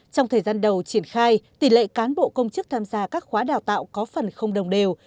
trong thời gian đầu triển khai tỷ lệ cán bộ công chức tham gia các khóa đào tạo có phần không đồng đều